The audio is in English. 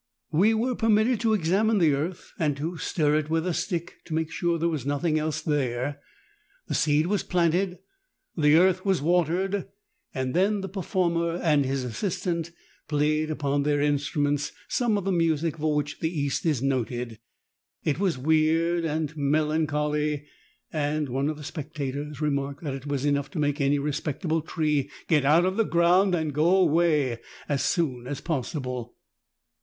We were permitted to JUGGLERS OF THE ORIENT. 99 examine the earth and stir it with a stick to make sure that there was nothing else The seed was planted, the was watered, and then the per former and his assistant pi aj^ed upon their instru ments some of the music for which the East is noted. It was weird and mel a n c h o 1 y and one of the s ta t o r marked that it was enough to make any respect able tree get out of the ground and go away as soon as possible.